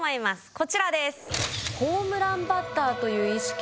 こちらです。